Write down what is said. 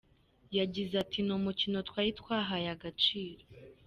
Yagize ati “Ni umukino twari twahaye agaciro.